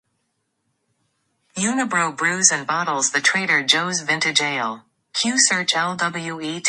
Unibroue brews and bottles the Trader Joe's Vintage Ale.